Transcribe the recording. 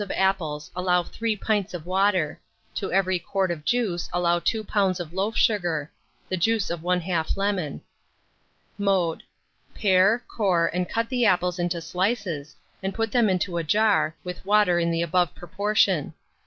of apples allow 3 pints of water; to every quart of juice allow 2 lbs. of loaf sugar; the juice of 1/2 lemon. Mode. Pare, core, and cut the apples into slices, and put them into a jar, with water in the above proportion.